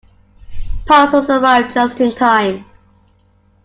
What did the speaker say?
Parcels arrive just in time.